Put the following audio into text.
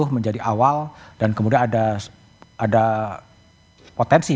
menjadi awal dan kemudian ada potensi